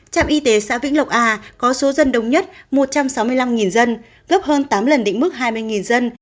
trạm y tế xã vĩnh lộc a có số dân đông nhất một trăm sáu mươi năm dân gấp hơn tám lần định mức hai mươi dân